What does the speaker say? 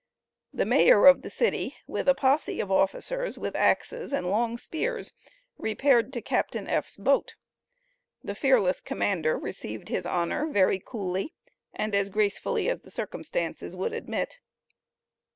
The mayor of the city with a posse of officers with axes and long spears repaired to Captain F.'s boat. The fearless commander received his Honor very coolly, and as gracefully as the circumstances would admit.